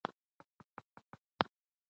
زه هڅه کوم نوی چلند جوړ کړم.